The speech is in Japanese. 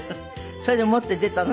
それで持って出たの？